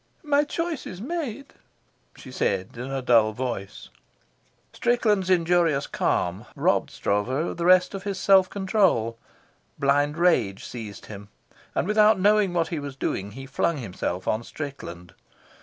"My choice is made," she said, in a dull voice. Strickland's injurious calm robbed Stroeve of the rest of his self control. Blind rage seized him, and without knowing what he was doing he flung himself on Strickland.